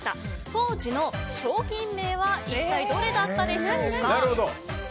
当時の商品名は一体どれだったでしょうか。